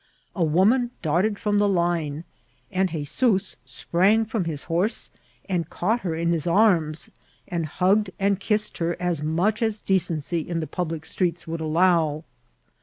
A woman darted from the line, and 'Hezoos sprang from his horse and caught her in his arms, and hu^ed and kissed her as much as decency in the public streets would allow.